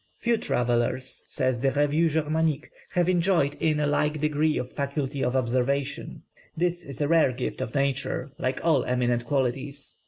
"Few travellers," says the Revue Germanique, "have enjoyed in a like degree the faculty of observation. That is a rare gift of nature, like all eminent qualities.